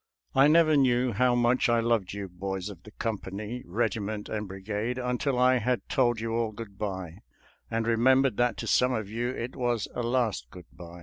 I never knew how much I loved you boys of the company, regiment, and brigade until I had told you all good by, and remembered that to some of you it was a last good by.